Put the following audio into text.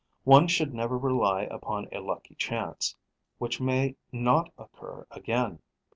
One should never rely upon a lucky chance, which may not occur again.